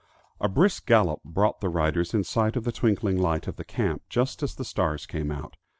A brisk gallop brought the riders in sight of the twinkling light of the camp, just as the stars came out.